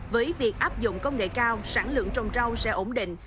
với việc áp dụng công nghệ cao sản lượng trồng rau sẽ ổn định